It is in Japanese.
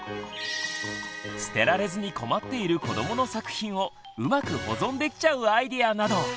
捨てられずに困っている子どもの作品をうまく保存できちゃうアイデアなど！